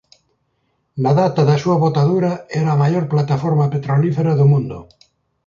Na data da súa botadura era a maior plataforma petrolífera do mundo.